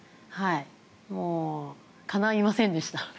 もうかないませんでした。